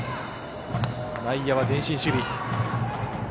内野は前進守備。